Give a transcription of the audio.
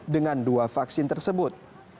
dengan dua vaksin tersebut